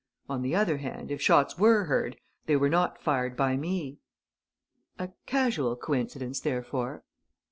On the other hand, if shots were heard, they were not fired by me." "A casual coincidence, therefore?"